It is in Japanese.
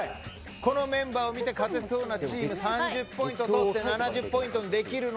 このメンバーを見て勝てそうなチームを選んで３０ポイントを取って７０ポイントにできるか。